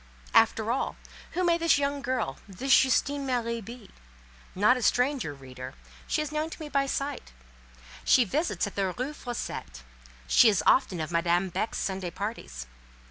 After all, who may this young girl, this Justine Marie, be? Not a stranger, reader; she is known to me by sight; she visits at the Rue Fossette: she is often of Madame Beck's Sunday parties.